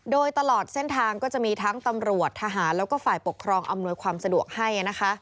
โดยตลอดเส้นทางก็จะมีทั้งตำรวจทหารแล้วก็ฝ่ายปกครองอำนวยความสะดวกให้นะคะ